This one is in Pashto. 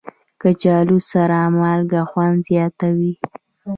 کچالو سره مالګه خوند زیاتوي